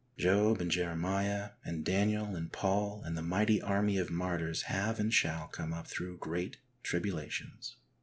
'^ Job and Jeremiah and Daniel and Paul and the mighty army of martyrs have and shall come up through great tribulations.